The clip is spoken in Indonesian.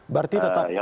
berarti tetap ya